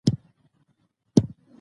اوښ د افغانانو د معیشت سرچینه ده.